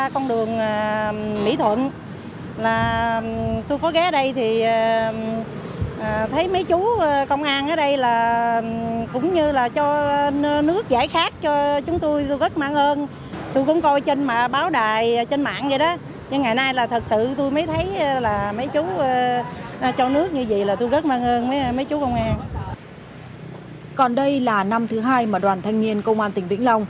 còn đây là năm thứ hai mà đoàn thanh niên công an tỉnh vĩnh long